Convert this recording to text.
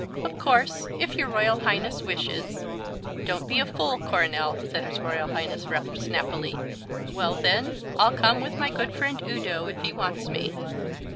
"Of course, if your Royal Highness wishes " "Don't be a fool, Coronel," said his Royal Highness, rather snappily. "Well, then, I'll come with my good friend Udo if he wants me."